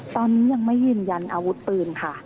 ตอนนี้ยังไม่ยืนยันอาวุธปืนค่ะ